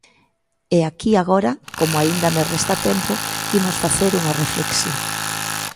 E aquí agora, como aínda me resta tempo, imos facer unha reflexión.